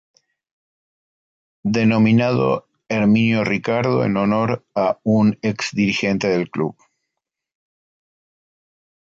Denominado Herminio Ricardo en honor a un ex dirigente del club.